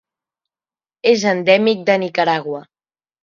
És endèmic de Nicaragua.